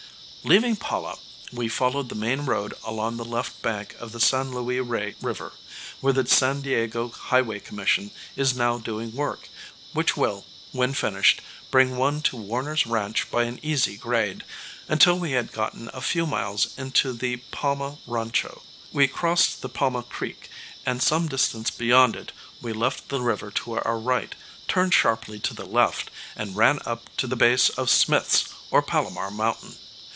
Leaving Pala, we followed the main road along the left bank of the San Luis Rey River where the San Diego Highway Commission is now doing work, which will, when finished, bring one to Warner's ranch by an easy grade until we had gotten a few miles into the Pauma rancho. We crossed the Pauma Creek, and some distance beyond it we left the river to our right, turned sharply to the left, and ran up to the base of Smith's, or Palomar Mountain.